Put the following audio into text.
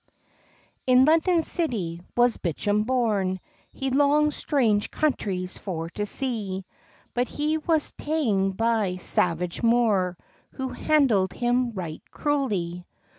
IN London city was Bicham born, He longd strange countries for to see, But he was taen by a savage Moor, Who handld him right cruely.